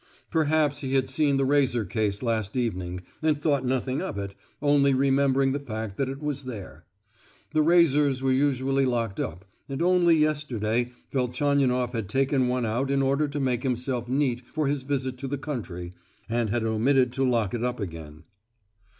Perhaps he had seen the razor case last evening, and thought nothing of it, only remembering the fact that it was there. The razors were usually locked up, and only yesterday Velchaninoff had taken one out in order to make himself neat for his visit to the country, and had omitted to lock it up again.